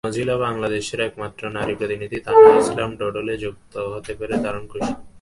Mozilla বাংলাদেশের একমাত্র নারী প্রতিনিধি তানহা ইসলাম ডুডলে যুক্ত হতে পেরে দারুণ খুশি।